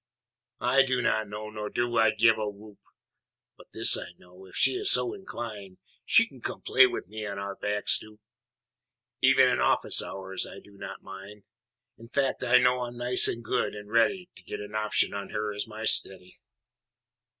I do not know, nor do I give a whoop, But this I know: if she is so inclined She can come play with me on our back stoop, Even in office hours, I do not mind In fact I know I'm nice and good and ready To get an option on her as my steady.